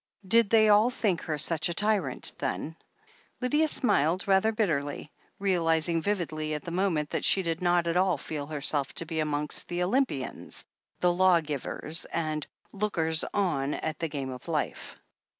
Did they all think her such a tyrant, then ? Lydia smiled rather bitterly, realizing vividly at the moment that she did not at all feel herself to be amongst the Olympians, the law givers, and lookers on at the game of life.